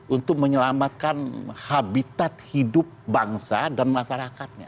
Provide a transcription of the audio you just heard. untuk menyelamatkan habitat hidup bangsa dan masyarakatnya